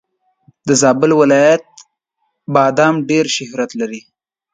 د زابل ولایت بادم ډېر شهرت لري.